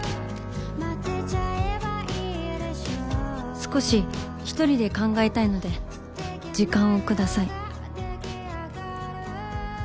「少し一人で考えたいので時間をください」